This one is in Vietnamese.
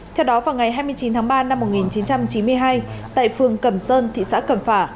theo đó vào ngày hai mươi chín tháng ba năm một nghìn chín trăm chín mươi hai tại phường cẩm sơn thị xã cẩm phả